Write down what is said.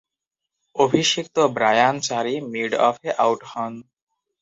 অভিষিক্ত Brian Chari মিড-অফে out হন।